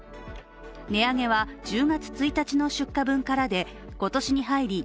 値上げは１０月１日の出荷分からで今年に入り